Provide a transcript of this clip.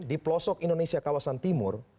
di pelosok indonesia kawasan timur